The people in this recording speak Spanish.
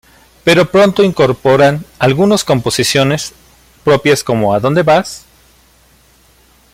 Pero pronto incorporan algunos composiciones propias como "¿A dónde vas?